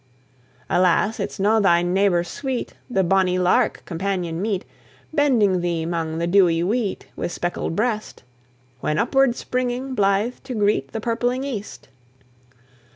Alas! it's no thy neebor sweet, The bonny lark, companion meet, Bending thee 'mang the dewy weet, Wi' speckled breast, When upward springing, blithe, to greet The purpling east!